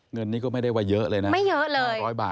เงินนี้ก็ไม่ได้ว่าเยอะเลยนะ๕๐๐บาทเองนะไม่เยอะเลย